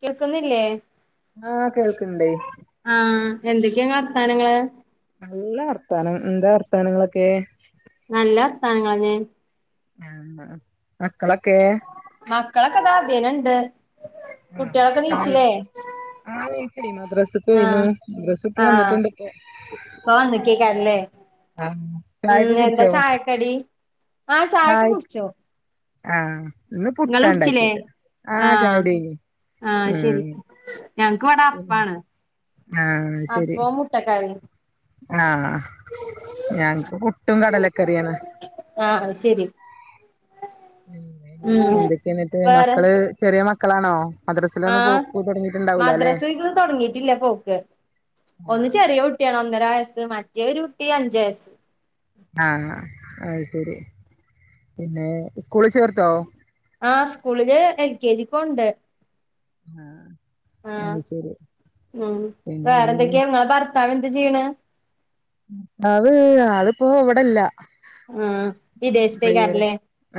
കേൾക്കുന്നില്ലേ ആഹ് കേൾക്ക്‌ണ്ടേയ് ആഹ് എന്തൊക്കെയാണ് വർത്താനങ്ങള് നല്ല വർത്താനം എന്താ വർത്താനങ്ങളൊക്കെ നല്ല വർത്താനങ്ങളെന്നെ ആന്നോ മക്കളൊക്കെ മക്കളൊക്കെ താ ഇതിലെണ്ട് ആഹ് കുട്ടികളൊക്കെ ചായ നീച്ചിലേ ആഹ് എണീറ്റടി മദ്രസ്ക് പോയിണ് മദ്രസ്ട്ട് വന്നിട്ടുണ്ട് പോകാൻ നിക്കേകാരല്ലേ? ആഹ് ചായൊക്കെ ഉം എന്താ കുടിച്ചോ ചായക്കടി? ആഹ് ചായക്കെ ചായ കുടിച്ചോ? ആഹ് ഇന്ന് നിങ്ങള് പുട്ടാ കുടിച്ചില്ലേ ഉണ്ടാക്കീത് ആഹ് ചായുടി കഴിഞ്ഞു ആഹ് ശരി ഞങ്ങക്ക് ഇവിടെ ഉം അപ്പാണ് ആഹ് ശരി ന്താ കറി ആഹ് ഞങ്ങക്ക് പുട്ടും കടലക്കറിയാണ് ആഹ് ശരി പിന്നെ ഉം എന്തൊക്കെന്ന്ട്ട് വേറെ മക്കള് ചെറിയ മക്കളാണോ? മദ്രസിലൊന്നും ആഹ് പോക്ക് തൊടങ്ങിട്ടുണ്ടാവൂല അല്ലെ മദ്രാസന്ന് തുടങ്ങിട്ടില്ല പോക്ക് ഒന്ന് ആഹ് ചെറിയ കു കുട്ടിയാണ് ഒന്നര വയസ് മറ്റേ ഒരു കുട്ടി അഞ്ച് വയസ്സ്. ആഹ് അത് ശരി പിന്നെ സ്കൂളിൽ ചേർത്തോ? ആഹ് സ്കൂളില് എൽ കെ ജി പോണ്ട്‌ ആഹ് ആഹ് അത് ശരി. ഉം വേറെ പിന്നെ എന്തൊക്കെയാ നിങ്ങളേ ഭർത്താവ്‌ എന്ത് ചെയ്യ്ണ അത് ആളിപ്പോ ഇവിടെല്ല ആഹ് ഡ്രൈവറ് വിദേശത്തേക്കാറല്ലേ?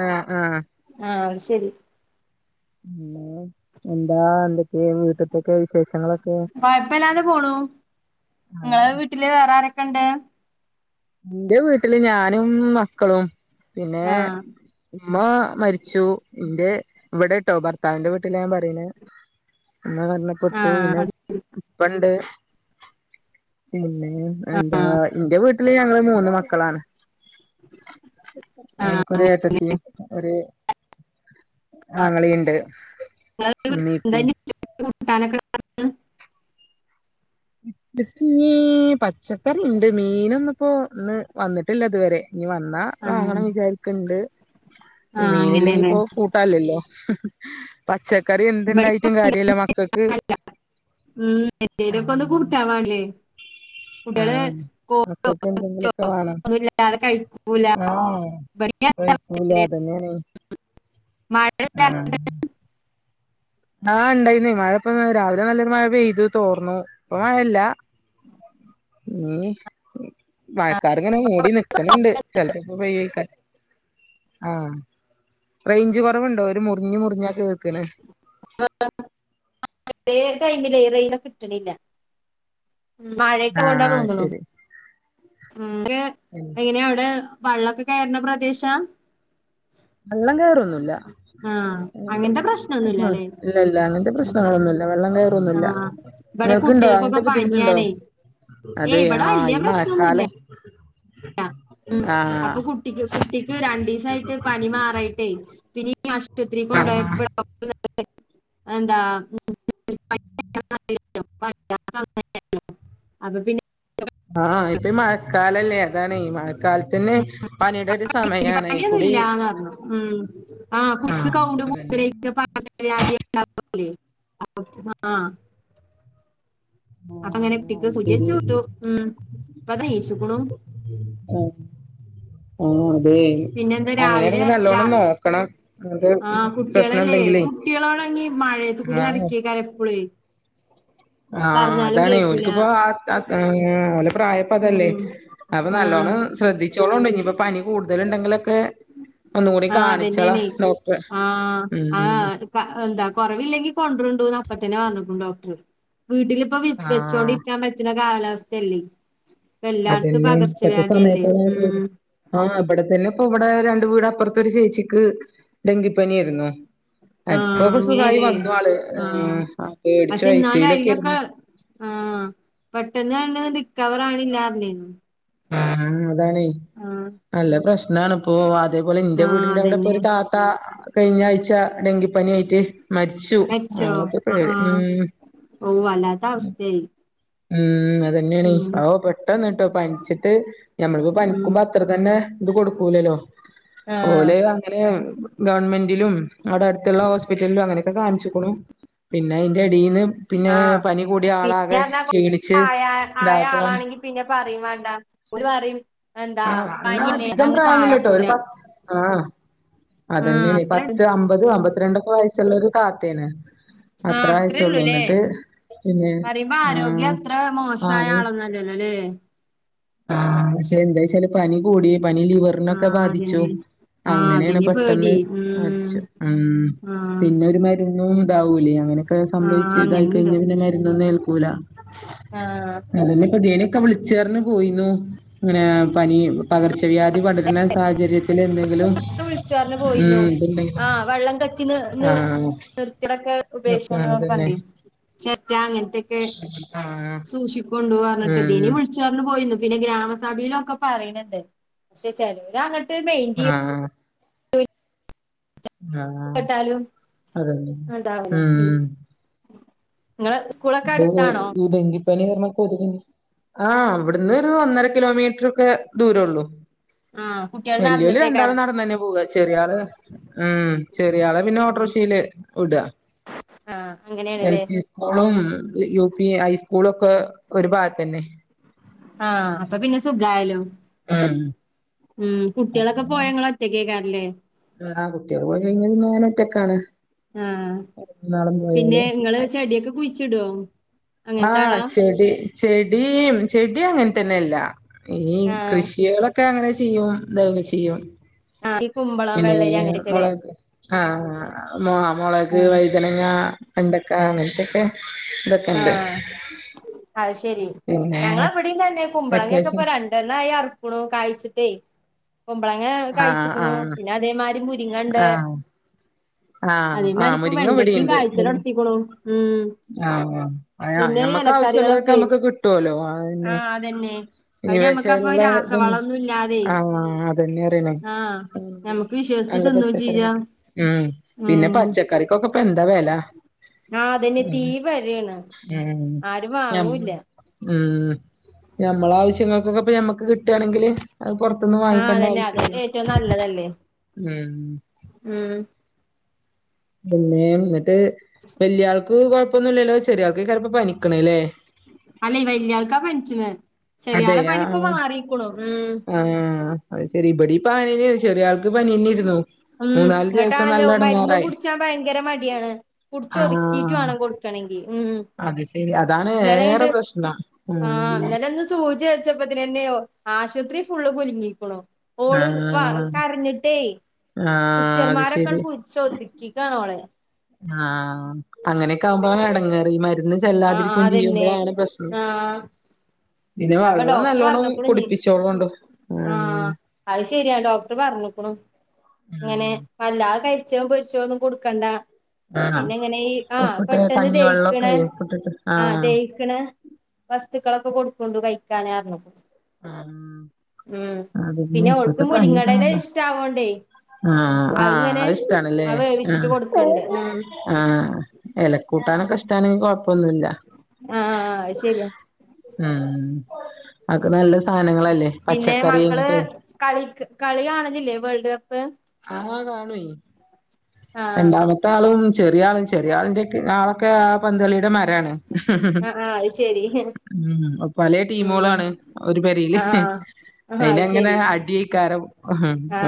ആഹ് ആഹ് ആഹ് അത് ശരി പിന്നെ എന്താ എന്തൊക്കെയ വീട്ടത്തൊക്കെ വിശേഷങ്ങള് കൊഴപ്പല്ലാതപോണു നിങ്ങള ആഹ് വീട്ടില് വേറെ ആരൊക്കെ ഉണ്ട്? ഇന്റെ വീട്ടില് ഞാനും മക്കളും പിന്നെ ആഹ് ഉമ്മാ മരിച്ചു ഇന്റെ ഇവിടെ ട്ടോ ഭർത്താവിന്റെ വീട്ടില ഞാൻ പറിണ [unintelligible] ആഹ് പിന്നെ അത് ഇപ്പണ്ട് പിന്നെ എന്താ ആഹ് എന്റെ വീട്ടില് ഞങ്ങള് മൂന്ന് മക്കളാണ് ഇന്ക്കൊരു ഏട്ടത്തിം ഒരു ആങ്ങളിണ്ട് ഇമ്മി [unintelligible] [unintelligible] ഇനി പച്ചക്കറി ഇണ്ട് മീനൊന്നിപ്പോ ഇന്ന് വന്നിട്ടില്ല ഇതുവരെ ഇനി വന്നാ ആഹ് വാങ്ങണം വിചാരിക്ക്ണ്ട് ആഹ് മീൻ അങ്ങനെയല്ലേ ഇല്ലെങ്കിപ്പോ കൂട്ടാൻയിലല്ലോ പച്ചക്കറി ഇവിടെ എന്ത്‌ണ്ടായിട്ടും കാര്യല്ല മക്കൾക്ക് ഉം എന്തെല്ക്കെ ഒന്ന് കൂട്ടാൻ വേണ്ടേ കുട്ടികള് ആഹ് മക്കക്ക് എന്തെങ്കിലൊക്കെ വേണം [unintelligible] കഴിക്കൂല ആഹ് കഴിക്കൂല അതന്നെയാണ് ആഹ് [unintelligible] ആഹ് ഉണ്ടായിനി മഴപ്പന്ന് രാവിലെ നല്ലൊരു മഴ പെയ്തു തോർന്നു ഇപ്പൊ മഴല്ല ഇനി മഴ കാർങ്ങനെ മൂടി നിക്കണണ്ട് ചിലപ്പോ ഇപ്പ പെയ്യക്കാരം ആഹ റെയ്ഞ്ച് കുറവുണ്ടോ ഒരു മുറിഞ്ഞ് മുറിഞ്ഞകേക്ക്ണ [unintelligible] കിട്ട്ണില്ല മഴയൊക്കെ കൊണ്ടാ ആഹ് തോന്ന്ണു മ് [unintelligible] ഉം എങ്ങനെയ അവിടെ വള്ളക്കെ കയർണ പ്രദേശ വെള്ളം കയറൊന്നുല്ല ആ അങ്ങനത്തെ പ്രശ്ന പ്രശ്നമൊന്നുമില്ല അല്ലേ ഇല്ല ഇല്ല അങ്ങനത്തെ പ്രശ്നങ്ങളൊന്നുമല്ല വെള്ളം ആ കയറൊന്നുല്ല ഇവിടെ നിങ്ങൾക്ക്ണ്ടോ കുട്ടികൾക്കൊക്കെ അങ്ങനത്തെ ബുദ്ധിമുട്ടുണ്ടോ? പനിയാണേ ഏ അതെ ഇവിടെ ആ വലിയ ഈ മഴക്കാലം [inaudible] മ് ആഹ് അപ്പൊ കുട്ടിക്ക് കുട്ടിക്ക് രണ്ടീസായിട്ട് പനി മാറായിട്ടേ പിന്നി ആശുപത്രി ആഹ് കൊണ്ടയപ്പോ [unintelligible] എന്താ [unintelligible] അപ്പൊ പിന്നെ ആഹ ഇപ്പ മഴ കാലല്ലേ? അതാണെമഴക്കാലത്തിന്നെ പനിയുടെ ഒരു സമയാണ് പനിയൊന്നും ഇക്കുടി ഇല്ലാന്ന് ഉം ആഹ് അതന്നെ [unintelligible] ആഹ് അപ്പൊ ആഹ് അങ്ങനെക്ക് അത് സുചച്ചു ശരി വിട്ടു ഉം അപ്പൊതാ യേശുക്കണു ആഹ് ആഹ് അതെ പിന്നെന്താ രാവിലെ അങ്ങനെയാണെങ്കിൽ രാ നല്ലോണ്ണം നോക്കണം അത് ആ കുട്ടികളല്ലേ പ്രശ്നംണ്ടെങ്കിലേ കുട്ടികളോടങ്ങി മഴയത്ത്കൂടി നടക്കിയക്ക എപ്പോഴെ ആഹ് അതാണ് കേക്കൂല ഓലിക്കിപ്പോ [unintelligible] ഓലെ പ്രായപ്പ അതല്ലേ ഉം അപ്പൊ നല്ലോണം ആ ശ്രദ്ധിച്ചോളണം ഇനിയിപ്പ പനി കൂടുതല് ഉണ്ടെങ്കിലൊക്കെ ഒന്നുകൂടി ആ കാണിച്ചാല അതന്നെയാണേ. ഡോക്‌ടറെ ആ ആ മ് [unintelligible] എന്താ കുറവില്ലെങ്കിൽ കൊണ്ടരുണ്ടോന്ന് അപ്പ തന്നെ പറഞ്ഞിട്ടുണ്ട് ഡോക്ടർ വീട്ടില് ഇപ്പൊ വി ആ വെച്ചോണ്ടിരിക്കാൻ പറ്റുന്ന കാലാവസ്ഥല്ലേ ഇപ്പഎല്ലാർത്തും അതന്നെ പകർച്ചവ്യാധിയല്ലേ മ് ആഹ് ഇവിടെത്തന്നെ ഇപ്പൊ ഇവിടെ രണ്ട് വീട് അപ്പുറത്തൊരു ചേച്ചിക്ക് ഡെങ്കിപ്പനി ആയിരുന്നു ആ അപ്പൊക്കെ സുഖായി അങ്ങനെയല്ലേ. വന്നു ആള് ആ ആഹ് പേടിച്ചു ഐസ്യൂലൊക്കെ ഇരന്ന് ആഹ് പെട്ടെന്ന് [unintelligible] റിക്കവർ [unintelligible] ആഹ് അതാണേ ആഹ് നല്ല പ്രശ്നാണ് ഇപ്പോ അതേപോലെ എന്റെ ആ വീടിന്റെ അവിടെ അതന്നെ. ഒരു [unintelligible] ത്ത കഴിഞ്ഞ ആഴ്ച ഡെങ്കിപ്പനി ആയിട്ട് മരിച്ചു മരിച്ചോ? ആ ആ [unintelligible] ഉം ഓ വല്ലാത്ത അവസ്ഥയ് ഉം അതെന്നെയണീ ഓ പെട്ടെന്ന് കേട്ടോ പനിച്ചിട്ട് ഞമ്മളിപ്പോ ഉം പനിക്കുമ്പോ അത്ര തന്നെ ഇത് കൊടുക്കൂലല്ലോ ആഹ് അതുപോലെ അങ്ങനെ ഗവൺമെന്റിലും അവിടെ അടുത്തുള്ള ഹോസ്പിറ്റലിലും അങ്ങനെയൊക്കെ കാണിച്ചിക്കണു പിന്നെ അതിന്റെ അടിന്ന് പിന്നെ ആ പനി കൂടിയ ആളാകെ ഞാൻ എറണാകുളം ക്ഷീണിച്ച് ആയ ആയ ഇതായപ്പളാണ് ആളാണെങ്കി പിന്നെ പറയും വേണ്ട ഒരു [unintelligible] എന്താ ആഹ് അന്നാ പനില്ലേ അധികം അതങ്ങ് പ്രായന്നുല്ലട്ടോ ഒരു സാരാക്കൂല പത്ത് ആഹ് ആ അതെന്നെയാണ് അത്ര പത്ത് അമ്പത് അമ്പത്തിരണ്ടൊക്കെ വയസുള്ള ഒരു കാകേണ് ആ അത്രാവയസുള്ളൂ എന്നിട്ട് പിന്നെ അപ്പ ആരോഗ്യം ആഹ് അത്ര മോശമായ ആളൊന്നുംല്ലല്ലോ അല്ലേ ആ പക്ഷെ എന്താചാല് പനി കൂടി പനി ആ ലിവറിനൊക്കെ ബാധിച്ചു അതന്നെ ആ അങ്ങനെണ് അതന്നെ പെട്ടെന്ന് പേടി ഉം മരിച്ചു, ഉം ആ പിന്നെ ഒരുമര് പിന്നം ഇതാവൂലേ അങ്ങനെയൊക്കെ ആ സംഭവിച് ഇതായി അങ്ങനുണ്ട് കഴിഞ്ഞ പിന്നെ മരുന്നൊന്നും ഏൽക്കൂ ക്കൂല ആ അതെന്നെപ്പ ധിയേനൊക്ക വിളിച്ചർന്നു പോയിന്നു ഇങ്ങനെ പനി പകർച്ചവ്യാധി പടരുന്ന സാഹചര്യത്തില് എന്തെങ്കിലും വിളിച്ചറിഞ്ഞു പോയിന്നു ഉം ഇതുണ്ടെങ്കിലോ ആഹ് വെള്ളം കെട്ടിനി നി ആഹ് നിർത്തിടൊക്കെ ഉപേക്ഷിച്ചൊണ്ട് ആഹ് അതന്നെ [unintelligible] ചെറ്റ അങ്ങനത്തെ ആഹ് കൊണ്ടു പോകർഞ്ഞിട്ട് ഉം ദിനിവിള് ചർഞ്ഞു പോയിന്നു പിന്നേ ഗ്രാമസഭയിലൊക്കെ പറയണണ്ട് പക്ഷെ ചേലോരങ്ങട്ട് മൈന്റ്യ്യൂ ആഹ് ആഹ് കേട്ടാലും അതന്നെ ഉണ്ടാവല്ലോ ഉം നിങ്ങള് ഇത് ഈ ഡെങ്കിപ്പനി കാരണം കൊതുക് ആഹ് അവിടുന്ന് ഒരു ഒന്നര കിലോമീറ്റർ ഒക്കെ ദൂരള്ളൂ ആഹ് കുട്ടി വല്ല്യോല് രണ്ടാള് നടന്നു തന്നെ പോക ചെറിയ ആള് ആഹ് ചെറിയാളെ പിന്നെ ഓട്ടോറിക്ഷല് വിട ആഹ് അങ്ങനെയണല്ലേ സ്കൂളും യു. പി ഹൈസ്കൂള ഒക്കെ ഒരു ഭാഗത്ത തന്നെ ആഹ് അപ്പ പിന്നെ സുഖയാല്ലോ [unintelligible] ഉം കുട്ടികളെക്കെ പോയാങ്ങള ഒറ്റക്കേക്കാരല്ലേ? ആ കുട്ട്യൾപോയി കഴിഞ്ഞ പിന്നെ ഒറ്റക്കാണ്. ആഹ് മൂന്നാളും പിന്നെ പോയാല് ഇങ്ങള് ചെടിക്കെ കുഴിച്ച്ടോ? ആഹ് ചെടി ചെടീം ചെടി അങ്ങനതന്നെല്ല. ഈ ആ കൃഷികളൊക്കെ അങ്ങനെ ചെയ്യും [unintelligible] ചെയ്യും. ആഹ് കുമ്പള് പിന്നെ മുളക് ആ മൊ മുളക് ആ വൈദ്യന അ വെണ്ടക്ക അങ്ങനതൊക്കെ ഇതൊക്കെണ്ട്. ആഹ് അത് ശെരി പിന്നെ ഞങ്ങള ഇവിടി തന്നെ കുമ്പളങ്ങൊക്കെ വെക്കേഷൻ ഇപ്പ രണ്ട് എണ്ണ യർക്ണു കായ്ച്ച്ട്ടെ കുമ്പളങ്ങ ആഹ് കായ്ച്ചിക്ക്ണു ആഹ് പിന്നെ അതേമാരി മുരിങ്ങണ്ട് ആഹ് ആഹ് അതേമാരി ആഹ് ഇപ്പൊ മുരിങ്ങ വെണ്ടക്കി ഇവിടെണ്ട് മുരി കാഴ്ച്ചലൊട്ത്തിക്ണു ഉം ആഹ് പിന്നെ [unintelligible] ഈ മ്മക്ക് ആവശ്യള്ളതൊക്കെ എലക്കറികളൊക്കെ നമ്മക്ക് ക്ട്ടൊല്ലോ അന്നെ ആഹ് അതന്നെ ഈ അയിന് നമ്മക്കപ്പൊ വശള്ള ഇതൊ രാസവളൊന്നും ഇല്ലാതെ ആ അതന്നെ അറിണേ ആഹ് ഞമ്മക്ക് വിശ്വസിച്ച് അല്ല തിന്നും ചെയ്യാ [unintelligible] ഉം പിന്നെ ഉം പച്ചക്കറിക്കൊക്കെ ഇപ്പ ന്താ വെല. ആഹ് അതന്നെ ഉം തീ വെലേണ് ആരും ഞം വാങ്ങൂല്ല ഉം ഞമ്മള ആവശ്യങ്ങൾക്കൊക്കെ ഇപ്പൊ ഞമ്മക്ക് ക്ട്ടാണെങ്കില് അത് പുറത്ത്ന്ന്‌ ആഹ് വാങ്ങിക്കണ്ട അതന്നെ ആവശ്യല്ല അതല്ലേ ഏറ്റവും നല്ലതല്ലേ ഉം ഉം പിന്നെ എന്നിട്ട് വെല്ല്യാൾക്ക് കൊഴപ്പൊന്നുല്ലല്ലോ ചെറിയാൾക്ക് കാരം പ്പോ പനിക്ക്ണേ ല്ലേ അല്ലേ വല്ല്യാൾക്കാ പന്ച്ണെ ചെറിയാള അതെ പനിപ്പോ ആഹ് മാറിക്ക്ണു ഉം ആഹ് അത് ശെരി ഇബടിം [unintelligible] ചെറിയാൾക്ക് പനിന്നെരുന്നു. ഉം ഇങ്ങട്ടാണല്ലോ മര്ന്നും കുട്ച്ചാ ഭയങ്കര മടിയാണ് കുട്ച്ച് ഒതുക്കിട്ടു ആഹ് വാണം കൊട് ട്ടണെങ്കി ഉം അത് ശെരി അതാണ് ഏറെ ഇന്നലങ്ങട്ട് പ്രശ്നം ആ ഉം ഇന്നല സൂജി വെച്ച പതന്നെയോ ആശുത്രി ഫുള്ള് കുലിങ്ങിക്ക്ണു ഓള് വ ആഹ് കരഞ്ഞിട്ടേ സിസ്റ്റ്ർ ആഹ് അത് മാരൊക്കെ ശെരി പുട്ച്ചോദിക്കിക്കണോളെ ആഹ് അങ്ങനെക്കെ ആകുമ്പോ ടങ്ങേറ് ഈ മര്ന്ന് ആ ആ, ല്ലാതിരിക്കും അതന്നെ കൊഞ്ചിയ്യുമ്പോഴാണ് പ്രശ്നം ആ പിന്നെ അപ്പൊ വള്ളം ഡോക്ടർ നല്ലോണ്ണം പറഞ്ഞുക്കുണു ഇനി കുടിപ്പിച്ചോളുണ്ടു ആഹ് [unintelligible] അത് ശരിയാ ഡോക്ടർ പറഞ്ഞ്ക്ക്ണു ഇങ്ങനെ അല്ലാ കരിച്ചോ പൊരിച്ചോ ഒന്നും കൊടുക്കണ്ട ആഹ് ആഹ് പിന്നെ എങ്ങനെ ആ ഉപ്പിട്ട് പെട്ടെന്ന് കഞ്ഞിവെള്ളൊക്കെ ദയിക്ക്ണേ ഉപ്പിട്ടിട്ട് ആഹ് ദയി പിന്നെ വസ്ത്ക്കളൊക്കെ കൊടുക്കുണ്ടു കഴിക്കാനാർഞ്ഞു. ആഹ് ഉം അതന്നെ പിന്നെ ഓൾക്ക് ഇപ്പത്തെ പനിയൊക്കെ മുരിങ്ങടല നല്ലതാ ഇഷ്ടവോണ്ടേ ആഹ് ആഹ് അഹ്ങ്ങനെ അത് ഇഷ്ടാണല്ലേ ആ വേവിച്ചിട്ട് ആഹ് കൊട്ക്ക്ണ്ട് ഉം ആഹ് എലക്കൂട്ടാനൊക്കെ ഇഷ്ടാണെങ്കി കൊഴപ്പൊന്നുല്ല ആഹ് അഹ് ശര്യാ [unintelligible] അക്ക നല്ല സാനങ്ങളല്ലേ പച്ചക്കറി ഇങ്ങട്ടേ കളിക്ക് കളി കാണലില്ലേ വേൾഡ് കപ്പ്? ആഹ് കാനോയ് ആഹ് രണ്ടാമത്തെ ആളും ചെറിയ ആള് ചെറിയ ആളിന്റെ ആളൊക്കെ ആ പന്തളിയുടെ മരാണ് അ ആ അത് ശെരി. ഉം പല ടീമുകളാണ് ഒരു പരേല് ആഹ് ആഹ് അത് അയിലങ്ങനെ ശരി അടീക്കാരം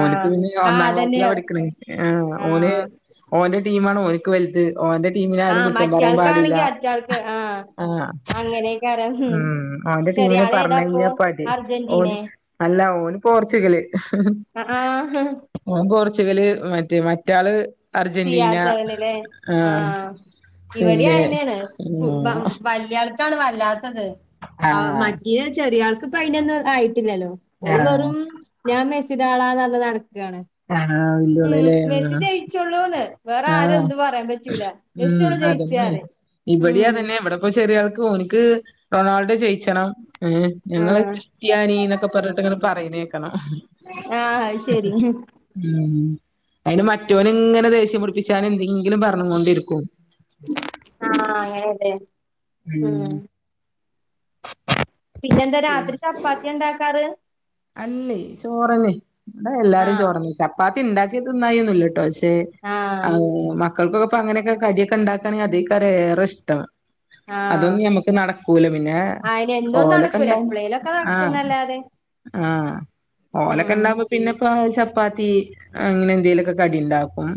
ഓൻക്ക് പിന്നെ ആഹ് ഒന്നാം അതന്നെ ക്ലാസ്സില പഠിക്ക്ണേ ആ ഓന് ആഹ് ഓന്റെ ടീമാണ് ഓൻക്ക് വല്ത് ഓന്റെ ടീമിനാരും ആഹ് കുറ്റം പറയാൻ പാടില്ല മറ്റാൾക്കാണെങ്കി മറ്റാൾക്ക് ആഹ് ആഹ്. ഉം ഓന്റെ ചെറിയ ടീമിന് ആള് പറഞ്ഞ ഏതാപ്പോ കഴിഞ്ഞപ്പടി ഓന് അർജന്റീനെ അല്ല ഓന് പോർച്ചുഗല് ഹ് ഹ് ആഹ് ആഹ് ഹ് പോർച്ചുഗല് മറ്റേ മറ്റാള് സി ആർ അർജന്റീന സെവനിലെ ആഹ് പിന്നെ ഇവിടെആയെന്നാണ് കുബ ഉം വലിയ ആൾക്കാണ് വല്ലാത്തത് ആ ആഹ് മറ്റേന് ചെറിയ ആൾക്ക് ഇപ്പ അയിനൊന്നും ആയിട്ടില്ലല്ലോ ഓള് ആഹ് വെറും ഞാൻ മെസ്സിഡ ആള ന്നർഞ് നടക്കാണ് ആണോ വല്ലുവിളല്ലേ ആ ഉള്ളൂന്ന് വേറെ ആരും ന്തും പറയാ പറ്റൂല ഉം ജസിള്ളു ജയിച്ചാറിം ഉമ് അപ്പൊ ചെറിയ ആൾക്ക് ഓനിക്ക് റൊണാൾഡോ ജയിച്ചണംഏ ഞങ്ങള് ആഹ് ക്രിസ്ത്യാനി ന്നൊക്കെ പറഞ്ഞിട്ട് ഇങ്ങനെ പറിണേക്കണം ആഹ് അത് ശരി ഉ അയിന് മറ്റൊന് ഇങ്ങനെ ദേഷ്യം പിടിപ്പിച്ചൻ എന്തെങ്കിലും പറഞ്ഞ കൊണ്ടിരികും ആഹ് അങ്ങനെലെ ഉം പിന്നെന്താ പിന്നെ രാത്രി ചപ്പാത്തിയാ ണ്ടാക്കാറ് അല്ലേ ചോറനെ ഇടാ എല്ലാരും ആഹ് ചോർന്ന ചപ്പാത്തി അത് ഇണ്ടാക്കിതിന്നായി ഒന്നല്ലട്ടോ പക്ഷെ ആഹ് അവു മക്ക ക്കൾക്കൊക്കെ പ്പ അങ്ങനൊക്കെ കിടിയൊക്കെണ്ടാക്കണെങ്കി അതേക്കാരം ഏറെ ഇഷ്ടം ആഹ് അതൊന്നും ഞമ്മക്ക് നടക്കൂല പിന്നെ അയിന് എന്നും ഓലൊക്കെ നടക്കൂല ണ്ടാ എപ്പളേലൊക്കെ ആ നടക്കുന്നല്ലാതെ ആഹ് ഓലൊക്കെ ഉം ഇണ്ടാവുമ്പോ പിന്നെപ്പ ചപ്പ് ചപ്പാത്തി അങ്ങനെ എന്തെലൊക്കെ കടിണ്ടാക്കും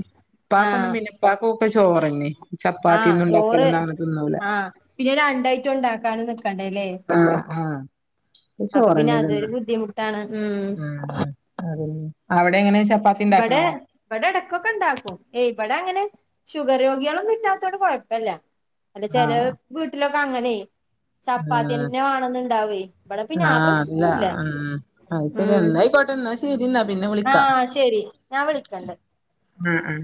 ആഹ് പാക്കൊന്നും പിന്നെ പാക്കൊക്കെ ചോറന്നെ ചപ്പാത്തി ആഹ് ഒന്നും ചോറ് ണ്ടാക്കാലോന്നങ്ങനെ തിന്നൂല ആഹ് പിന്നെ രണ്ടായിട്ടും ഉണ്ടാക്കാനും നിക്കണ്ടേല്ലേ ആഹ് ആഹ് അപ്പൊ പിന്നെ ക്കെചോറന്നെ തിന്ന അതൊരു ബുദ്ധിമുട്ടാണ് ഉമ് ഉ അത അവിടെ എങ്ങനെ ചപ്പാത്തി ബടെ ഇണ്ടാക്കണോ ഇബടെ എടക്കൊക്കെ ഇണ്ടാക്കും ഏയ് ഇവിടെ അങ്ങനെ ഷുഗർ രോഗിയാളൊന്നും ഇിറ്റാത്തോണ്ട് കൊഴപ്പല്ല അല്ല ചെല ആഹ് വീട്ടിലൊക്കെ അങ്ങനെ ഉം ചപ്പാത്തിയെന്നെ വേണന്ന ഇണ്ടാവേ ഇവിടെ പിന്നെ ആ പ്രശ്നൊന്നുല്ല അത്പ്പോ ഉം എന്നായിക്കോട്ടെ ന്നാ ശരി ന്നാ പിന്നെ വിളിക്കാ ആഹ് ശരി ഞാൻ വിളിക്കണ്ട് ഉം ഉം